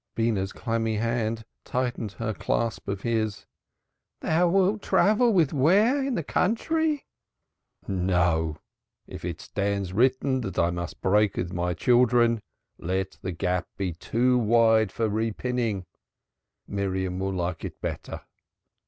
Beenah's clammy hand tightened her clasp of his. "Thou wilt travel with ware in the country?" "No. If it stands written that I must break with my children, let the gap be too wide for repining. Miriam will like it better.